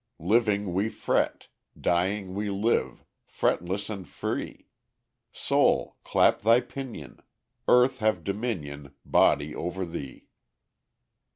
Living we fret; Dying, we live. Fretless and free, Soul, clap thy pinion! Earth have dominion, Body, o'er thee!